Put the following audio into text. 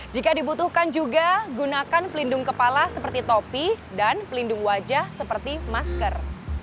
jika dibutuhkan juga gunakan pelindung kepala seperti topi dan pelindung wajah seperti masker